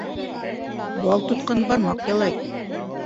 Бал тотҡан бармаҡ ялай